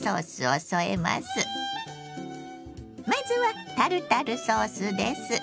まずはタルタルソースです。